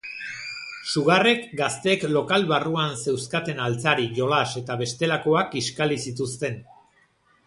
Sugarrek gazteek lokal barruan zeuzkaten altzari, jolas eta bestelakoak kiskali zituzten.